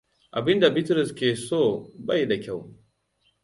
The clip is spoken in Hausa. Abinda Bitrus ke so bai da kyau.